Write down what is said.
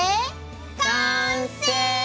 完成！